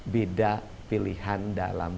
beda pilihan dalam